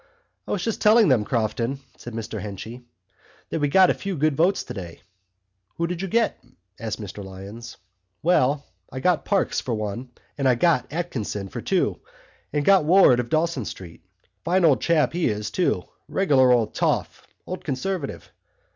"I was just telling them, Crofton," said Mr Henchy, "that we got a good few votes today." "Who did you get?" asked Mr Lyons. "Well, I got Parkes for one, and I got Atkinson for two, and got Ward of Dawson Street. Fine old chap he is, too—regular old toff, old Conservative!